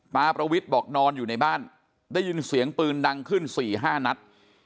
ประวิทย์บอกนอนอยู่ในบ้านได้ยินเสียงปืนดังขึ้น๔๕นัด